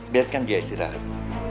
biarkan dia istirahat